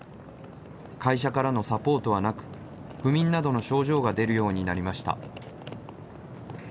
会社からのサポートはなく、不眠などの症状が出るようになりました。